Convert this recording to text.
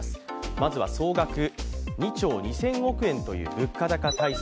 まずは総額２兆２０００億円という物価高対策